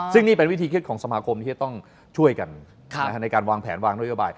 ซึ่งนี่เป็นวิธีคิดของสมาคมที่จะต้องช่วยกันในการวางแผนวางนโยบาย